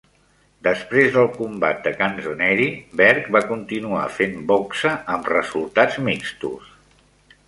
Després del combat de Canzoneri, Berg va continuar fent boxa amb resultats mixtos.